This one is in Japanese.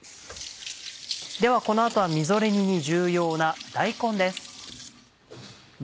ではこの後はみぞれ煮に重要な大根です。